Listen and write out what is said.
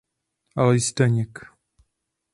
Alois Daněk.